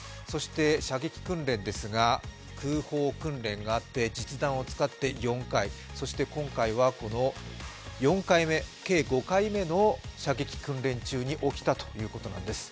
射撃訓練ですが、空砲訓練があって実弾を使って４回、そして今回はこの４回目、計５回目の射撃訓練中に起きたということなんです。